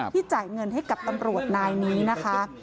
จ่ายเงินให้กับตำรวจนายนี้นะคะ